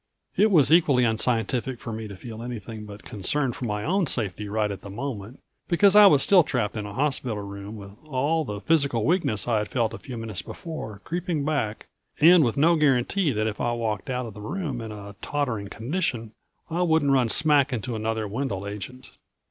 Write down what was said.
It was equally unscientific for me to feel anything but concern for my own safety right at the moment, because I was still trapped in a hospital room with all of the physical weakness I'd felt a few minutes before creeping back and with no guarantee that if I walked out of the room in a tottering condition I wouldn't run smack into another Wendel agent.